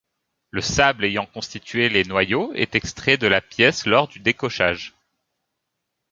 Le sable ayant constitué les noyaux est extrait de la pièce lors du décochage.